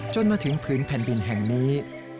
จนมาถึงพื้นแผ่นดินแห่งนี้